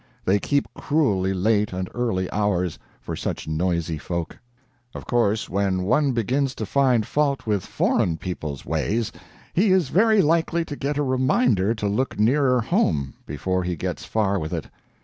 They keep cruelly late and early hours, for such noisy folk. Of course, when one begins to find fault with foreign people's ways, he is very likely to get a reminder to look nearer home, before he gets far with it.